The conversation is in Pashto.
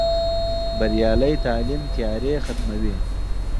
بریالی تعلیم تیارې ختموي.